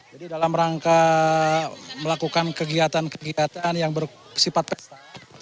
jadi dalam rangka melakukan kegiatan kegiatan yang bersifat pesta